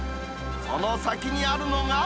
その先にあるのが。